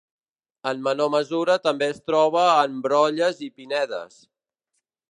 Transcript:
En menor mesura també es troba en brolles i pinedes.